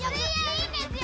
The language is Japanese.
いいんですよ。